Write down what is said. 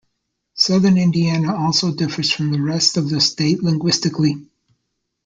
Southern Indiana also differs from the rest of the state linguistically.